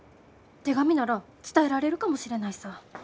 手紙なら伝えられるかもしれないさぁ。